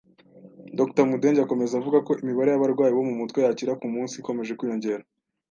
Dr Mudenge akomeza avuga ko imibare y’abarwayi bo mutwe yakira ku munsi ikomeje kwiyongera.